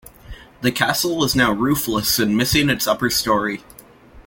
The castle is now roofless and missing its upper storey.